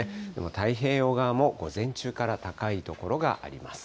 太平洋側も午前中から高い所があります。